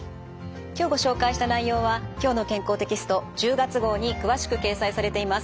今日ご紹介した内容は「きょうの健康」テキスト１０月号に詳しく掲載されています。